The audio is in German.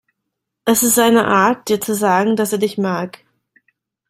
Es ist seine Art, dir zu sagen, dass er dich mag.